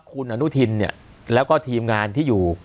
คุณอนุทินเนี่ยแล้วก็ทีมงานที่อยู่